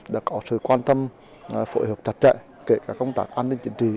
đã có sự quan tâm phối hợp chặt chạy kể cả công tác an ninh chiến trị